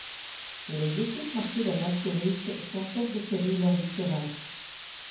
Les équipes marquées d'un astérisque sont têtes de série lors du tirage.